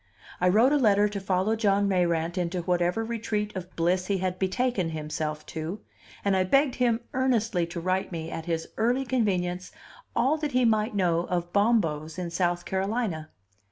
I wrote a letter to follow John Mayrant into whatever retreat of bliss he had betaken himself to, and I begged him earnestly to write me at his early convenience all that he might know of Bombos in South Carolina.